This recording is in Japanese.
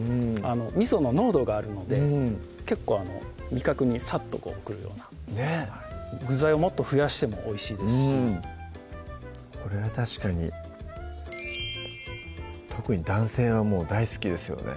みその濃度があるので結構味覚にサッとくるようなねっ具材をもっと増やしてもおいしいですしこれは確かに特に男性はもう大好きですよね